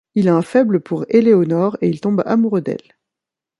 Il a un faible pour Éléonore et il tombe amoureux d’elle.